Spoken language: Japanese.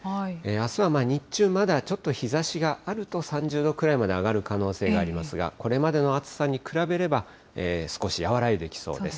あすは日中、まだ、ちょっと日ざしがあると３０度ぐらいまで上がる可能性がありますが、これまでの暑さに比べれば、少し和らいできそうです。